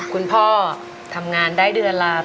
คุณพ่อทำงานได้เดือนละ